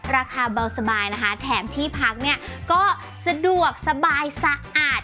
ราคาเบาสบายนะคะแถมที่พักเนี่ยก็สะดวกสบายสะอาด